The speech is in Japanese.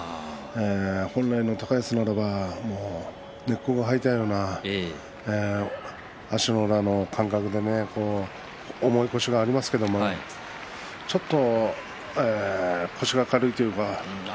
本来の高安は根っこが生えたような足の裏の感覚で重い腰がありますけれどちょっと腰が軽いというか。